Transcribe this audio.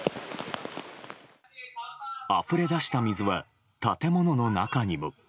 あふれ出した水は建物の中にも。